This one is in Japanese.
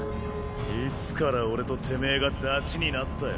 いつから俺とてめぇがダチになったよ？